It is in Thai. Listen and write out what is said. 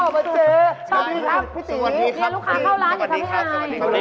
สวัสดีครับพี่ตี